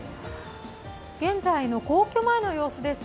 現在の皇居前の様子です。